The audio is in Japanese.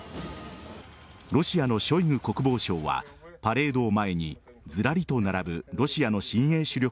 ロシアのショイグ国防相はパレードを前に、ずらりと並ぶロシアの新鋭主力